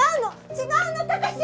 違うの貴史！